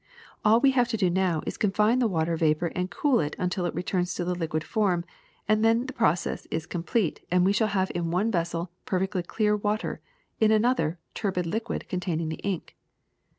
All we have to do now is to confine the water vapor and cool it until it returns to the liquid form ; then the process is complete and we shall have in one vessel perfectly clear water, in another a tur bid liquid containing the ink.''